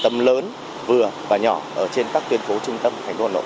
trang cổ động lớn vừa và nhỏ ở trên các tuyên phố trung tâm thành phố hà nội